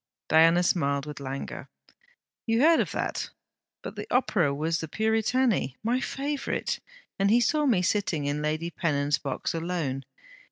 Diana smiled with languor. 'You heard of that? But the Opera was The Puritani, my favourite. And he saw me sitting in Lady Pennon's box alone.